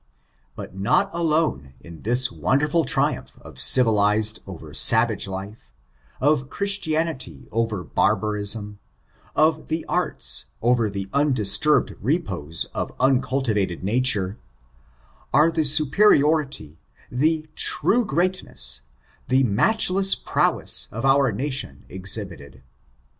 But not alone in this wonderful triumph of civilised over savage life, of Christianity over bai^arinn, of the arts over the undisturbed repose of uncultivated nature, are the superiority, the true greatness, the matchless prowess of our nation exhibited.